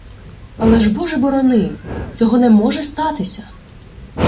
— Але ж Боже борони! Цього не може статися.